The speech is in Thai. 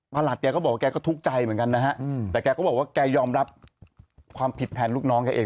หลัดแกก็บอกว่าแกก็ทุกข์ใจเหมือนกันนะฮะแต่แกก็บอกว่าแกยอมรับความผิดแทนลูกน้องแกเอง